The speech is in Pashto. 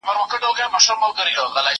که وخت وي، ونې ته اوبه ورکوم!!